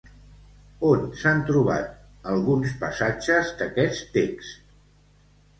On s'han trobat alguns passatges d'aquest text?